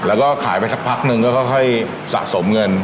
แล้วก็ขายไปสักพักนึงก็ค่อยสะสมเงิน